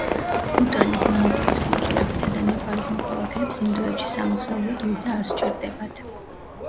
ბუტანის, მალდივის კუნძულებისა და ნეპალის მოქალაქეებს ინდოეთში სამოგზაუროდ ვიზა არ სჭირდებათ.